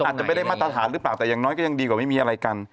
อาจจะไม่ได้มาตรฐานหรือเปล่าแต่อย่างน้อยก็ยังดีกว่าไม่มีอะไรกัน